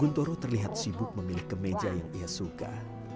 guntoro terlihat sibuk memilih kemeja yang ia suka